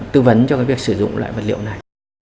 tư vấn cho cái việc sử dụng loại vật liệu này